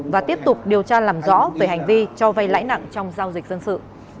và tiếp tục điều tra làm rõ về hành vi cho vay lãi nặng trong giao dịch dân sự